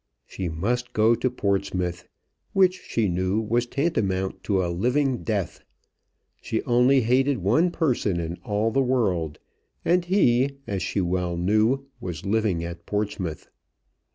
She must go to Portsmouth; which she knew was tantamount to a living death. She only hated one person in all the world, and he, as she knew well, was living at Portsmouth.